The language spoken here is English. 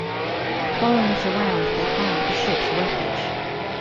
Following it around they find the ship's wreckage.